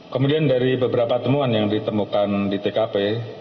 kemudian dari beberapa temuan yang ditemukan di tkp